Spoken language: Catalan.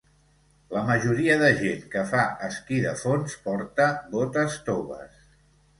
La majoria de gent que fa esquí de fons porta botes toves.